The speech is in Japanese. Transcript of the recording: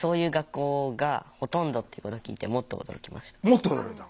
もっと驚いた？